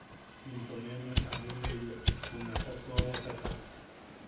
Into ne nuen a juʼuneyak junaka suawakata.